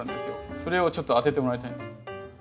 それをちょっと当ててもらいたいんです。